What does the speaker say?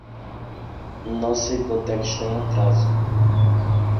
Nossa hipoteca está em atraso.